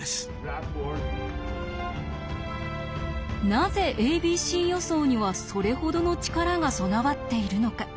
なぜ「ａｂｃ予想」にはそれほどの力が備わっているのか。